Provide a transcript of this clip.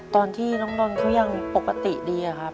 ตอนที่น้องนอนเขายังปกติดี